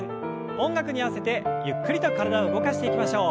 音楽に合わせてゆっくりと体を動かしていきましょう。